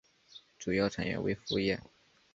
主要产业为服务业。